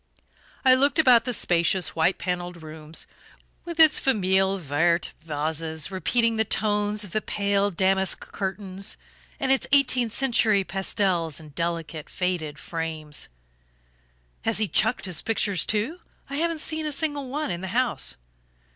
I looked about the spacious white panelled room, with its FAMILLE VERTE vases repeating the tones of the pale damask curtains, and its eighteenth century pastels in delicate faded frames. "Has he chucked his pictures too? I haven't seen a single one in the house."